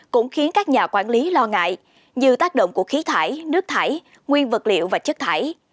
cũng khiến các nhà quản lý lo ngại như tác động của khí thải nước thải nguyên vật liệu và chất thải